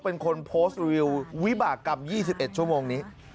เป็นคนโพสต์รีวิววิบากรรม๒๑ชั่วโมงนี้